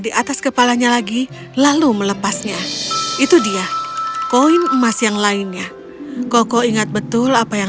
di atas kepalanya lagi lalu melepasnya itu dia koin emas yang lainnya koko ingat betul apa yang